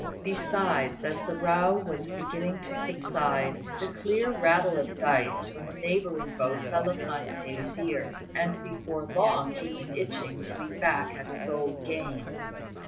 Besides, as the row was beginning to subside, the clear rattle of dice from a neighbouring boat fell upon Hsiu's ear, and before long he was itching to be back again at his old games.